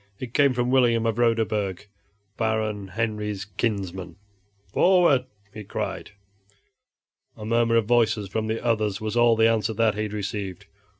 It came from William of Roderburg, Baron Henry's kinsman. "Forward!" he cried. A murmur of voices from the others was all the answer that he received.